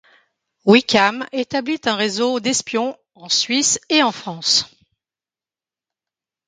Wickham établit un réseau d'espions en Suisse et en France.